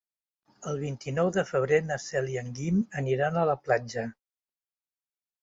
El vint-i-nou de febrer na Cel i en Guim aniran a la platja.